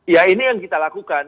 ya ini yang kita lakukan